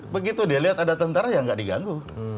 begitu dia lihat ada tentara ya nggak diganggu